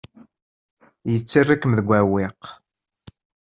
Yettarra-kem deg uɛewwiq.